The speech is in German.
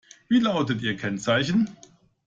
Wie lautet ihr Kennzeichen?